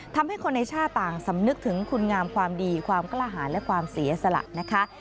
ทำให้คนในชาติต่างสำนึกถึงคุณงามความดีความกล้าหารและความเสียสละนะคะ